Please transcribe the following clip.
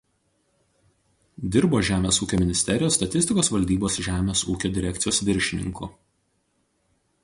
Dirbo žemės ūkio ministerijos Statistikos valdybos žemės ūkio direkcijos viršininku.